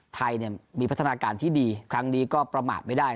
ไทยมีพัฒนาการที่ดีครั้งนี้ก็ประมาทไม่ได้